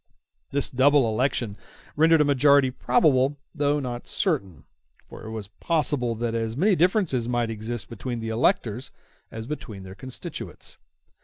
*w This double election rendered a majority probable, though not certain; for it was possible that as many differences might exist between the electors as between their constituents.